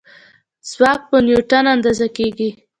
ځواک په نیوټن اندازه کېږي.